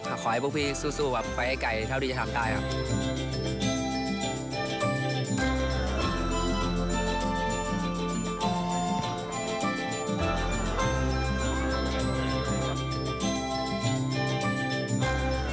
ขอให้พวกพี่สู้ไปให้ไก่เท่าที่จะตามตายครับ